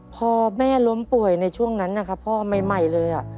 พอแม่ล้มป่วยในช่วงนั้นนะครับพ่อใหม่เลย